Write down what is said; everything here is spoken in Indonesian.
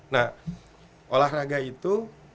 nah olahraga itu